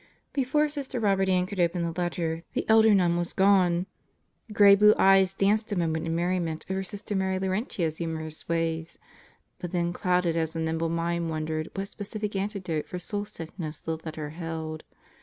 Before Sister Robert Ann could open the letter, the elder nun was gone. Gray blue eyes danced a moment in merriment over Sister Mary Laurentia's humorous ways, but then clouded as a nimble mind wondered what specific antidote for soul sick ness the letter held.